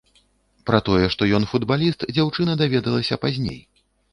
Пра тое, што ён футбаліст, дзяўчына даведалася пазней.